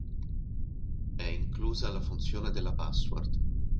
È inclusa la funzione della password.